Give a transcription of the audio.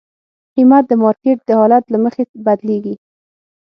قیمت د مارکیټ د حالت له مخې بدلېږي.